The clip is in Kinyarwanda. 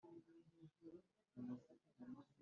Umwambari w’umwana agenda nka se